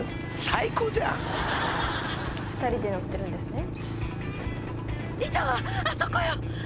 最高じゃん２人で乗ってるんですね